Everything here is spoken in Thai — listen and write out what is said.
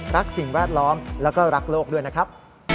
สิ่งแวดล้อมแล้วก็รักโลกด้วยนะครับ